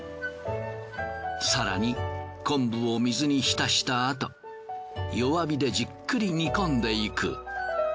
更に昆布を水に浸した後弱火でじっくり煮込んでいく。